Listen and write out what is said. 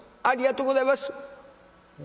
ありがとうございます！」。